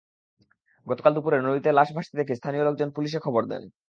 গতকাল দুপুরে নদীতে লাশ ভাসতে দেখে স্থানীয় লোকজন পুলিশে খবর দেন।